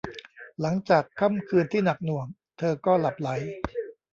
หลังจากค่ำคืนที่หนักหน่วง เธอก็หลับใหล